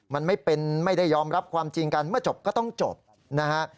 มันไม่เป็นไม่ได้ยอมรับความจริงกันเมื่อจบก็ต้องจบนะฮะ